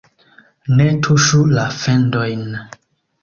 Ne tuŝu la fendojn...